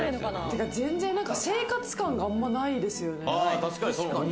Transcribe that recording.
全然、生活感があまりないですよね。